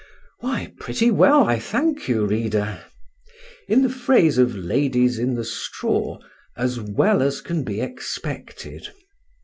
Why, pretty well, I thank you, reader; in the phrase of ladies in the straw, "as well as can be expected."